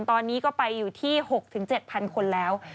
ตอนนี้ก็ไปอยู่ที่๖๗๐๐คนแล้ว